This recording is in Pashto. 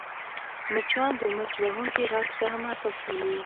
مچان د مچ وهونکي غږ ته هم حساس نه وي